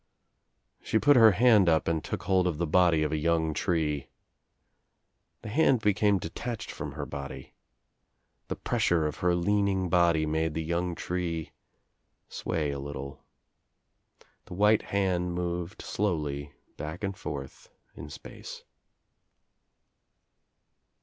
She put her hand up and took hold of the body of a young tree. The hand became detached from her body. The pressure of her leaning body made the young tree sway a little. The white hand moved slowly back and forth In space.